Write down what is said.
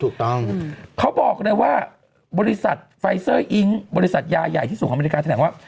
ถูกต้องเขาบอกเลยว่าบริษัทไฟเซอร์อิ๊งบริษัทยาใหญ่ที่สุดของอเมริกาแถลงว่า